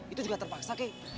itu juga terpaksa kay